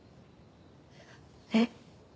えっ？